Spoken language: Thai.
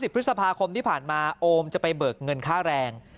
พฤษภาคมที่ผ่านมาโอมจะไปเบิกเงินค่าแรง